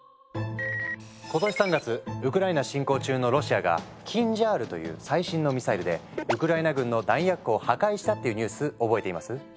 今年３月ウクライナ侵攻中のロシアが「キンジャール」という最新のミサイルでウクライナ軍の弾薬庫を破壊したっていうニュース覚えています？